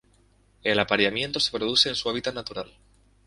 El apareamiento se produce en su hábitat habitual.